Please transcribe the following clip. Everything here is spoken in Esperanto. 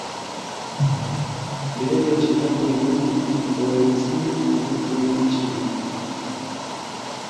Belegaj ĉevaloj, ne malpli ol cent rublojn ĉiu!